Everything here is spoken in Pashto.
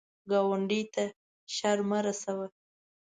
ګاونډي ته شر مه رسوه